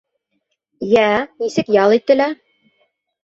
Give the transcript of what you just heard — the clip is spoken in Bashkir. Йә, нисек ял ителә?